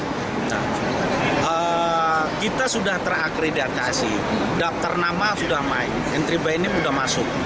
nah kita sudah terakreditasi daftar nama sudah main entry by ini sudah masuk